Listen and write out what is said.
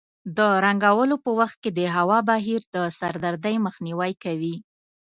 د رنګولو په وخت کې د هوا بهیر د سردردۍ مخنیوی کوي.